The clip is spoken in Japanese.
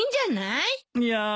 いや。